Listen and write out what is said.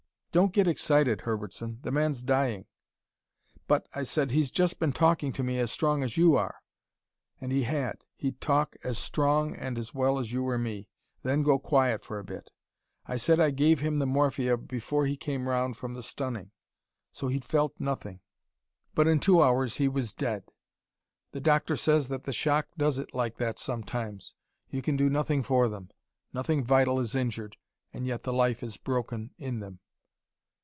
'Don't get excited, Herbertson, the man's dying.' 'But,' I said, 'he's just been talking to me as strong as you are.' And he had he'd talk as strong and well as you or me, then go quiet for a bit. I said I gave him the morphia before he came round from the stunning. So he'd felt nothing. But in two hours he was dead. The doctor says that the shock does it like that sometimes. You can do nothing for them. Nothing vital is injured and yet the life is broken in them.